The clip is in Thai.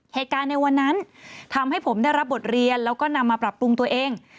เหตุการณ์ในวันนั้นทำให้ผมได้รับบทเรียนแล้วก็นำมาปรับปรุงตัวเอง